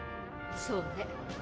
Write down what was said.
そうね。